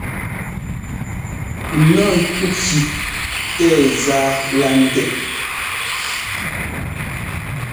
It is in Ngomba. Nɔ́ ŋki tɛɛ zá lá ndɛ́.